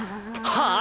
はあ？